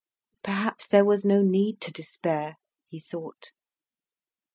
Perhaps there was no need to despair, he thought.